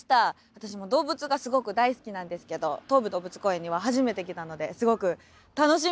私も動物がすごく大好きなんですけど東武動物公園には初めて来たのですごく楽しみです。